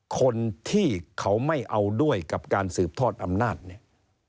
คนที่เขาไม่เอาด้วยกับการสืบทอดอำนาจเนี่ย